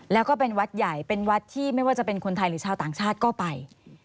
แล้วก็เป็นวัดใหญ่เป็นวัดที่ไม่ว่าจะเป็นคนไทยหรือชาวต่างชาติก็ไป